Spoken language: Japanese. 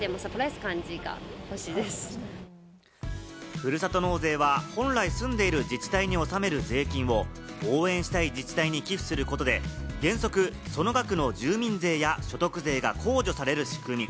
ふるさと納税は本来住んでいる自治体に納める税金を応援したい自治体に寄付することで、原則その額の住民税や所得税が控除される仕組み。